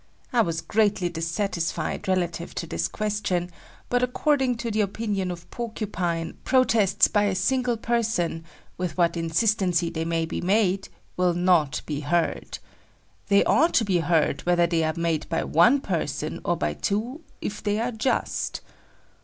I was greatly dissatisfied relative to this question, but according to the opinion of Porcupine, protests by a single person, with what insistency they may be made, will not be heard. They ought to be heard whether they are made by one person or by two if they are just.